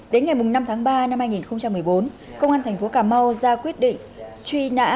đến ngày năm tháng ba năm hai nghìn một mươi bốn công an thành phố cà mau ra quyết định truy nã